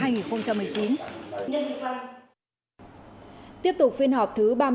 tiếp tục phiên họp thứ ba mươi ba